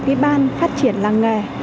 cái ban phát triển làng nghề